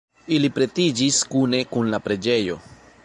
Ili pretiĝis kune kun la preĝejo.